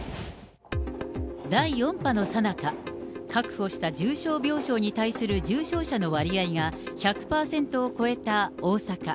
第４波のさなか、確保した重症病床に対する重症者の割合が１００％を超えた大阪。